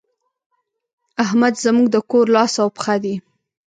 احمد زموږ د کور لاس او پښه دی.